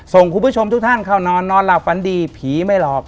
ส่งคุณผู้ชมทุกท่านเข้านอนนอนหลับฝันดีผีไม่หลอก